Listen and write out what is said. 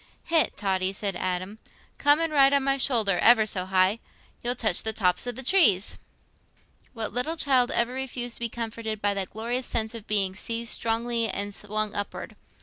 "Hegh, Totty," said Adam, "come and ride on my shoulder—ever so high—you'll touch the tops o' the trees." What little child ever refused to be comforted by that glorious sense of being seized strongly and swung upward?